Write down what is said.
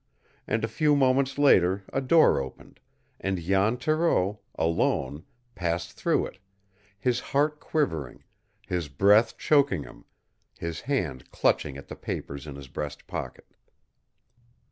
And a few moments later a door opened, and Jan Thoreau, alone, passed through it, his heart quivering, his breath choking him, his hand clutching at the papers in his breast pocket.